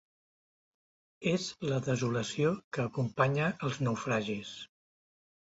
És la desolació que acompanya els naufragis.